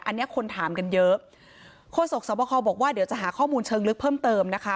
อันนี้คนถามกันเยอะโฆษกสวบคอบอกว่าเดี๋ยวจะหาข้อมูลเชิงลึกเพิ่มเติมนะคะ